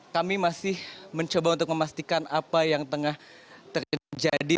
kami masih mencoba untuk memastikan apa yang tengah terjadi